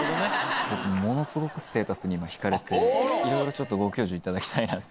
僕ものすごくステータスに今引かれていろいろちょっとご教授いただきたいなって。